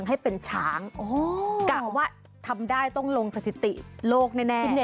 กลับว่าทำได้ต้องลงสถิติโลกแน่